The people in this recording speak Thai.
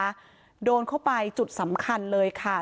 โดนเข้าไปจุดสำคัญเลยค่ะ